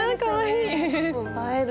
映える。